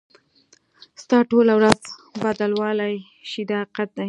ستا ټوله ورځ بدلولای شي دا حقیقت دی.